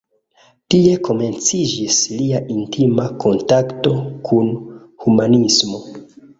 Tie komenciĝis lia intima kontakto kun humanismo.